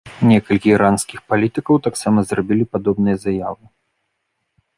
Некалькі іранскіх палітыкаў таксама зрабілі падобныя заявы.